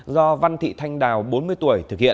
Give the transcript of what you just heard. do văn thị thanh đào bốn mươi tuổi thực hiện